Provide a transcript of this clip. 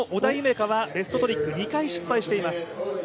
海はベストトリック２回失敗してます。